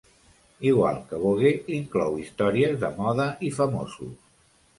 Igual que "Vogue", inclou històries de moda i famosos.